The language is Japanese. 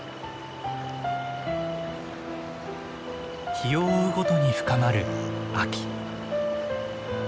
日を追うごとに深まる秋。